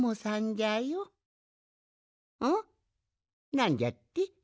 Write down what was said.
なんじゃって？